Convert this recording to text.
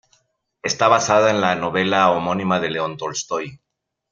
Está basada en la novela homónima de León Tolstói.